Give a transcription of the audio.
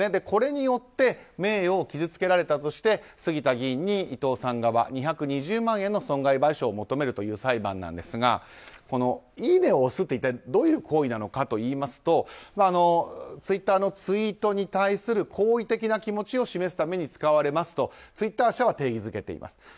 これによって名誉を傷つけられたとして杉田議員に伊藤さん側が２２０万円の損害賠償を求めるという裁判なんですがこのいいねを押すとは一体どういう行為なのかといいますとツイッターのツイートに対する好意的な気持ちを示すために使われますとツイッター社は定義づけています。